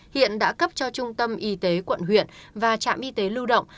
hiện đã cấp cho trung tâm y tế quận huyện và trạm y tế lưu động